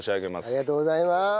ありがとうございます。